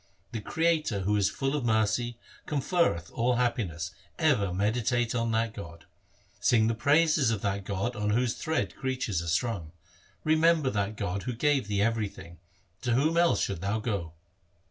The Creator who is full of mercy conferreth all happiness : ever meditate on that God. Sing the praises of that God on whose thread creatures are strung. Remember that God who gave thee everything ; to whom else shouldst thou go